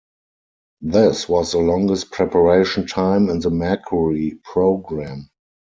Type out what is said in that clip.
This was the longest preparation time in the Mercury program.